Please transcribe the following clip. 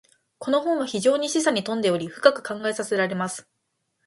•この本は非常に示唆に富んでおり、深く考えさせられます。